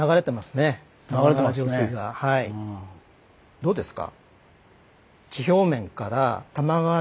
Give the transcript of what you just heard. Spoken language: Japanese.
どうですか？